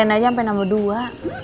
renanya sampe nambah dua